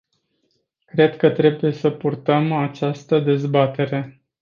Cred că trebuie să purtăm această dezbatere.